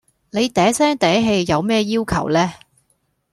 你嗲聲嗲氣有咩要求呢?